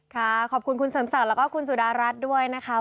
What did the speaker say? ขอบคุณคุณเสริมศักดิ์แล้วก็คุณสุดารัฐด้วยนะคะ